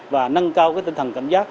và nâng cao tinh thần cảnh giác